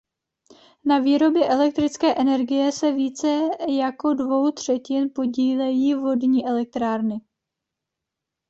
Na výrobě elektrické energie se více jako dvou třetin podílejí vodní elektrárny.